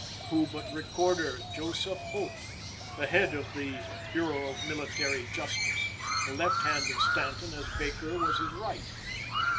Who but Recorder Joseph Holt, the head of the Bureau of Military Justice, the left hand of Stanton as Baker was his right?